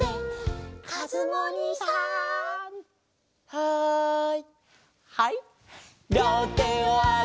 はい！